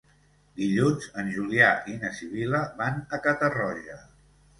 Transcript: Dilluns en Julià i na Sibil·la van a Catarroja.